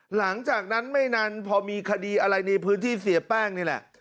หลังจากนั้นไม่นานพอมีคดีอะไรในพื้นที่เสียแป้งนี่แหละ